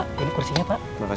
pak ini kursinya pak